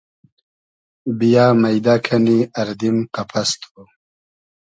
بییۂ مݷدۂ کئنی اردیم قئپئس تو